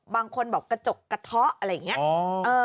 บางคนบอกกระจกกระเทาะอะไรอย่างนี้